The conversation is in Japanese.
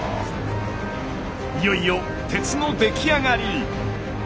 いよいよ鉄の出来上がり。